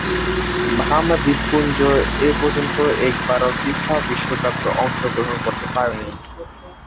Bahama দ্বীপপুঞ্জ এপর্যন্ত একবারও ফিফা বিশ্বকাপে অংশগ্রহণ করতে পারেনি।